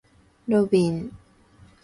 ロビン